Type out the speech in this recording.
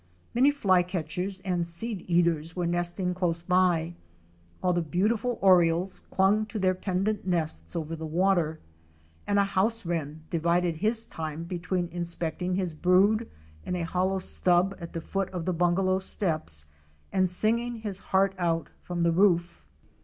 Many Flycatchers and Sceed eaters were nesting close by, while the beautiful Orioles clung to their pendent nests over the water, and a House Wren ™ divided his time between inspecting his brood in a hollow stub at the foot of the bungalow steps, and sing ing his heart out, from the roof.